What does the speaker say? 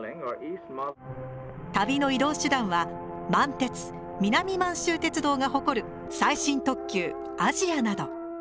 旅の移動手段は満鉄南満州鉄道が誇る最新特急あじあなど。